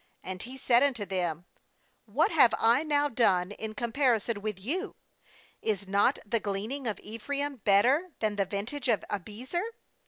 2And he said unto them * 'What have I now done in comparison with you? Is not the gleaning of Ephraim better than the vintage of Abiezer?